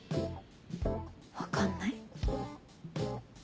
分かんない。